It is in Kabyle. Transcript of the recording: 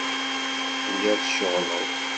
Telliḍ tceɣleḍ.